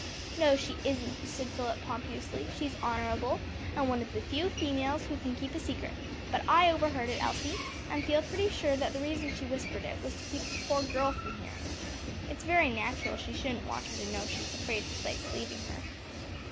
"No, she isn't," said Philip pompously, "she's honorable, and one of the few females who can keep a secret. But I overheard it, Elsie, and feel pretty sure that the reason she whispered it, was to keep the poor girl from hearing. It's very natural she shouldn't want her to know she's afraid her sight's leaving her."